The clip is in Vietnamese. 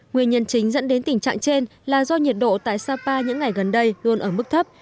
nguyên nhân chính dẫn đến tình trạng trên là do nhiệt độ tại sapa những ngày gần đây luôn ở mức thấp